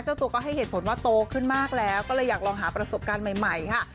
เจ้าตัวก็ให้เหตุผลว่าโตขึ้นมากแล้วก็เลยอยากลองหาประสบการณ์ใหม่ค่ะ